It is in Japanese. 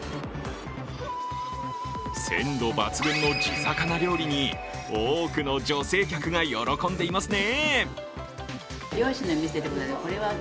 鮮度抜群の地魚料理に多くの女性客が喜んでいますね。